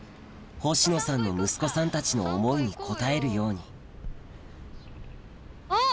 星野さんの息子さんたちの思いに応えるようにあっ！